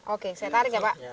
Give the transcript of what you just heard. oke saya tarik ya pak